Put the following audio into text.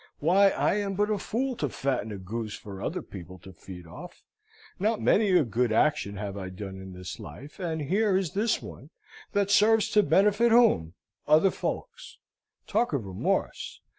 Why, I am but a fool to fatten a goose for other people to feed off! Not many a good action have I done in this life, and here is this one, that serves to benefit whom? other folks. Talk of remorse!